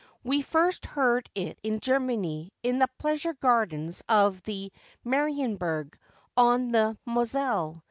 We first heard it in Germany, in the pleasure gardens of the Marienberg, on the Moselle.